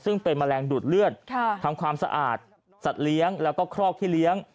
ซึ่งเป็นแมลงดูดเลือดทำความสะอาดสัตว์เลี้ยงแล้วก็ครอกที่เลี้ยง